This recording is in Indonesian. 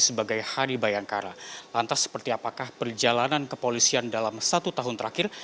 sebagai hari bayangkara lantas seperti apakah perjalanan kepolisian dalam satu tahun terakhir